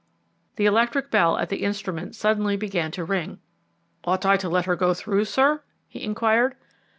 The electric bell at the instrument suddenly began to ring. "Ought I to let her go through, sir?" he inquired.